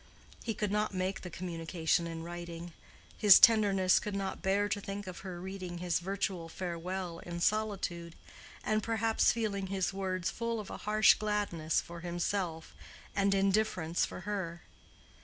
He could not make the communication in writing: his tenderness could not bear to think of her reading his virtual farewell in solitude, and perhaps feeling his words full of a hard gladness for himself and indifference for her.